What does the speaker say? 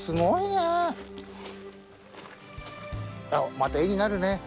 また絵になるね。